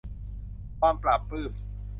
ความปลาบปลื้ม